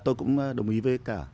tôi cũng đồng ý với cả